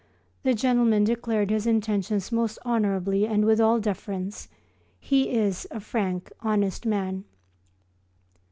The gentleman declared his intentions most honourably and with all deference. He is a frank, honest man.